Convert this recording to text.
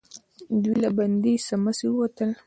دوئ له بندې سمڅې ووتل.